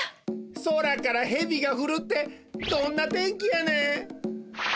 空からヘビがふるってどんな天気やねん！